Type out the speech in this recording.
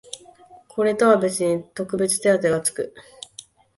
これとは別に特別手当てがつく